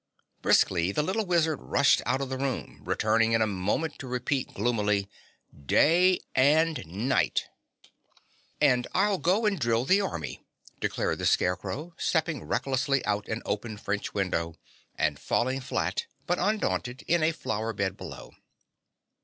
Briskly the little Wizard rushed out of the room, returning in a moment to repeat gloomily, "DAY and NIGHT!" "And I'll go and drill the army," declared the Scarecrow, stepping recklessly out an open French window and falling flat, but undaunted, in a flower bed below.